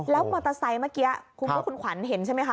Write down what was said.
แล้วมอเตอร์ไซค์เมื่อกี้คุณพวกคุณขวัญเห็นใช่ไหมคะ